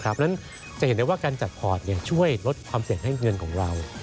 เพราะฉะนั้นจะเห็นได้ว่าการจัดพอร์ตช่วยลดความเสี่ยงให้เงินของเรา